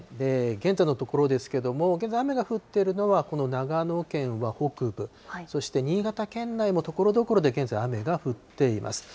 現在のところですけれども、雨が降っているのはこの長野県は北部、そして新潟県内もところどころで現在、雨が降っています。